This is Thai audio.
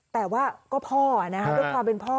แต่ว่าก็พ่อด้วยความเป็นพ่อ